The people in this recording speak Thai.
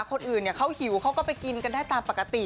คนอื่นเขาหิวเขาก็ไปกินกันได้ตามปกติ